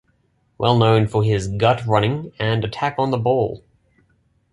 Well known for his gut running and attack on the ball.